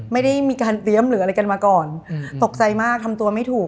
ไม่ได้มีการเตรียมหรืออะไรกันมาก่อนตกใจมากทำตัวไม่ถูก